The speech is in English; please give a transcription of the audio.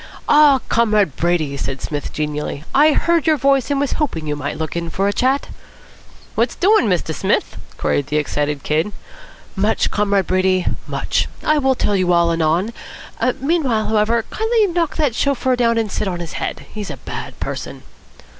"Ah, Comrade Brady!" said Psmith genially. "I heard your voice, and was hoping you might look in for a chat." "What's doin', Mr. Smith?" queried the excited Kid. "Much, Comrade Brady, much. I will tell you all anon. Meanwhile, however, kindly knock that chauffeur down and sit on his head. He's a bad person."